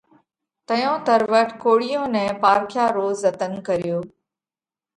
تئيون تروٽ ڪوۯِيئون نئہ پارکيا رو زتنَ ڪريو۔